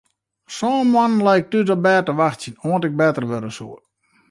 Sân moannen lei ik thús op bêd te wachtsjen oant ik better wurde soe.